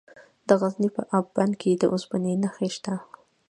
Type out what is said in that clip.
د غزني په اب بند کې د اوسپنې نښې شته.